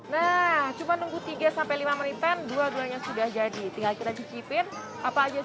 nah cuma nunggu tiga sampai lima menit dan dua dulunya sudah jadi tinggal kita cicipin apa aja